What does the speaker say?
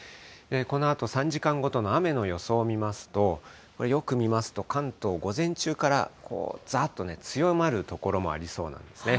このあと３時間ごとの雨の予想を見ますと、よく見ますと、関東、午前中からこう、ざーっとね、強まる所もありそうなんですね。